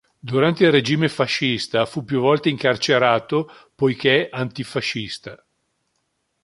Durante il regime fascista fu più volte incarcerato poiché antifascista.